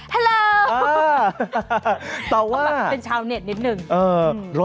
ฮัลโหล